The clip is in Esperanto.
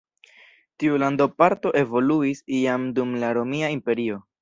Tiu landoparto evoluis jam dum la Romia Imperio.